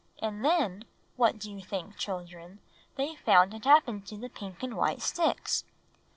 "And then, what do you think, children, they found had happened to the pink and white sticks?"